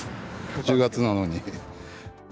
１０月なのに。